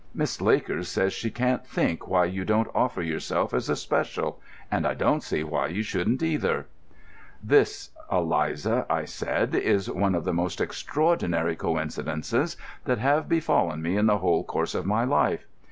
Miss Lakers says she can't think why you don't offer yourself as a special, and I don't see why you shouldn't, either." "This, Eliza," I said, "is one of the most extraordinary coincidences that have befallen me in the whole course of my life.